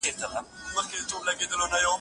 څه د عطرو خوشبويي ده د عنبرو